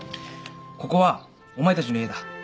ここはお前たちの家だ。